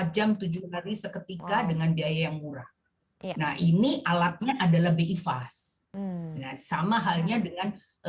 empat jam tujuh hari seketika dengan biaya yang murah nah ini alatnya adalah bi fast sama halnya dengan